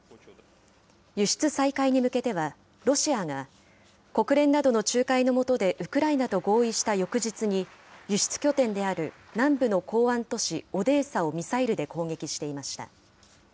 輸出再開に向けては、ロシアが国連などの仲介のもとでウクライナと合意した翌日に、輸出拠点である南部の港湾都市オデーサをミサイルで攻撃していました。